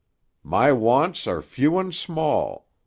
"My wants are few and small.